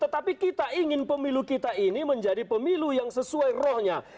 tetapi kita ingin pemilu kita ini menjadi pemilu yang sesuai rohnya